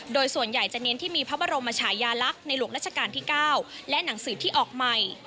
โดยส่วนใหญ่จะเน้นที่มีพระบรมชายาลักษณ์ในหลวงราชการที่๙และหนังสือที่ออกใหม่